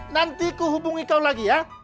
nanti kau hubungi kau lagi ya